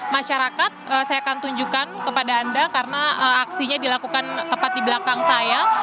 masyarakat saya akan tunjukkan kepada anda karena aksinya dilakukan tepat di belakang saya